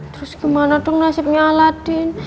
terus gimana dong nasibnya aladin